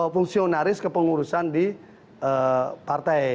fungsionaris kepengurusan di partai